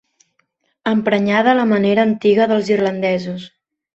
Emprenyada a la manera antiga dels irlandesos.